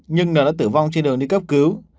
nhưng đã tử vong trên đường đi cấp cứu